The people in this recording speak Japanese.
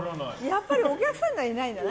やっぱりお客さんにはいないんだね。